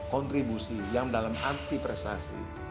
kontribusi yang dalam arti prestasi